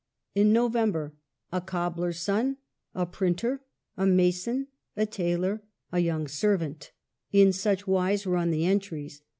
In November '' a cobbler's son," *' a printer," *' a mason," '' a tailor," *' a young servant: " in such wise run the entries.